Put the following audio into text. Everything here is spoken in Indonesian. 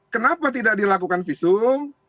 kenapa tidak dilakukan visum